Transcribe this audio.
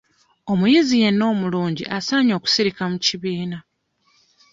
Omuyizi yenna omulungi asaanye okusirika mu kibiina.